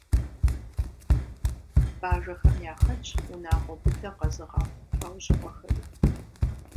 Бэжэхэм яхэтщ унагъуэ быдэ къэзыгъэхъу лӏэужьыгъуэхэри.